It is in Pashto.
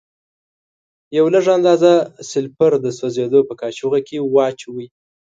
یوه لږه اندازه سلفر د سوځیدو په قاشوغه کې واچوئ.